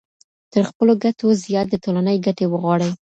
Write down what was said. تر خپلو ګټو زيات د ټولني ګټې وغواړئ.